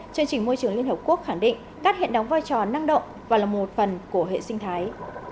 chương trình môi trường liên hợp quốc khẳng định cát hiện đóng vai trò năng động và là một phần của hệ sinh thái